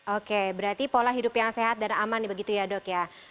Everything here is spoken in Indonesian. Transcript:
oke berarti pola hidup yang sehat dan aman begitu ya dok ya